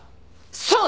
そう！